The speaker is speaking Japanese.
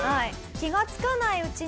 気がつかないうちに。